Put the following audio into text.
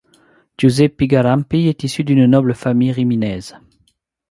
Giuseppi Garampi est issu d'une noble famille riminaise.